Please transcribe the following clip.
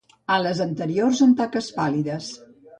Ales anteriors amb taques pàl·lides.